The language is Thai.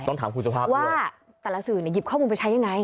จะเรียนรู้จากโรคเรียนถ้าเกิดพี่รักษาต่างจังไร